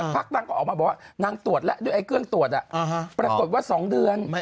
นางก็ออกมาบอกว่านางตรวจแล้วด้วยเครื่องตรวจปรากฏว่า๒เดือน